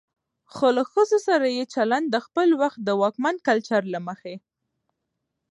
خو له ښځو سره يې چلن د خپل وخت د واکمن کلچر له مخې